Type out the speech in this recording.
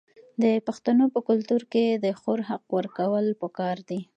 د پښتنو په کلتور کې د خور حق ورکول پکار دي.